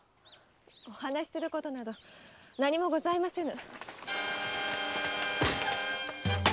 お話しすることなど何もございませぬ。